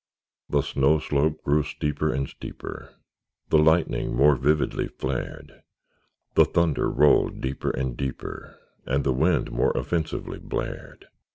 The snow slope grew steeper and steeper; The lightning more vividly flared; The thunder rolled deeper and deeper; And the wind more offensively blared.